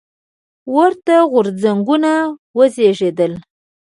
ورته غورځنګونه وزېږېدل.